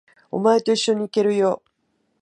お前と一緒に行けるよ。